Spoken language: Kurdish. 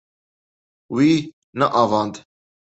Wî neavand.